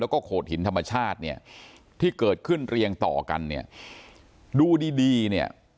แล้วก็โขดหินธรรมชาติเนี่ยที่เกิดขึ้นเรียงต่อกันเนี่ยดูดีดีเนี่ย